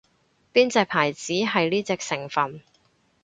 邊隻牌子係呢隻成份